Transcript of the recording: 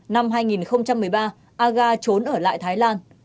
năm hai nghìn một mươi ba aga trốn ở lại thái lan